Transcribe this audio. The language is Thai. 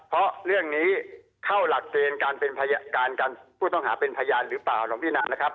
เพราะเรื่องนี้เข้าหลักเกณฑ์การเป็นผู้ต้องหาเป็นพยานหรือเปล่าลองพินานะครับ